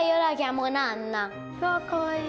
わあかわいい。